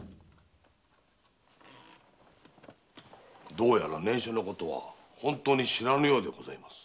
どうやら念書のことは本当に知らぬようでございます。